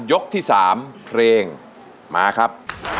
ยกที่๓เพลงมาครับ